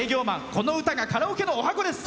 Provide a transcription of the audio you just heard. この歌がカラオケの、おはこです。